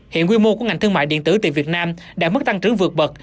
hiện quy mô của ngành thương mại điện tử từ việt nam đã mất tăng trứng vượt bật